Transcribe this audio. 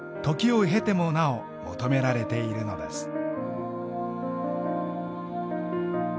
時を経てもなお求められているのです。